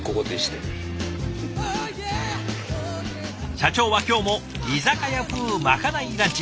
社長は今日も居酒屋風まかないランチ。